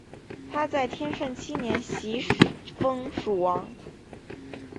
他在天顺七年袭封蜀王。